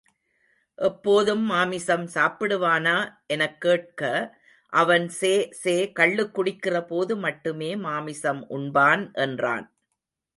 எப்போதும் மாமிசம் சாப்பிடுவானா? என கேட்க அவன் சே.சே.கள்ளுக் குடிக்கிறபோது மட்டுமே மாமிசம் உண்பான் என்றான்.